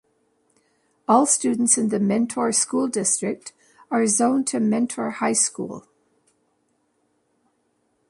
All students in the Mentor school district are zoned to Mentor High School.